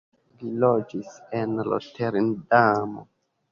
Li loĝis en Roterdamo.